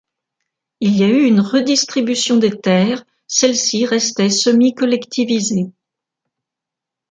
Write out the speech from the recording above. Il y a eu une redistribution des terres, celles-ci restaient semi-collectivisées.